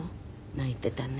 泣いていたね。